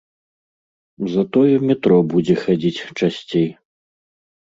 Затое метро будзе хадзіць часцей.